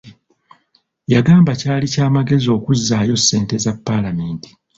Yagamba kyali kya magezi okuzzaayo ssente za paalamenti.